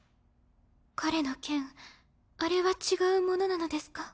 彼の剣あれは違うものなのですか？